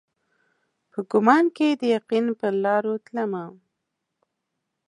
په ګمان کښي د یقین پرلارو تلمه